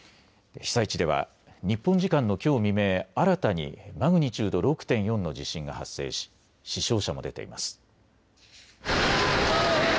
被災地では日本時間のきょう未明、新たにマグニチュード６．４の地震が発生し死傷者も出ています。